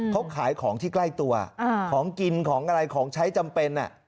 เขาขายของที่ใกล้ตัวของกินของอะไรของใช้จำเป็น